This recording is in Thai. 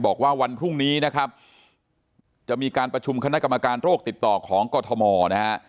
บอกว่าวันพรุ่งนี้นะครับจะมีการประชุมคณะกรรมการโรคติดต่อของกรทมนะฮะ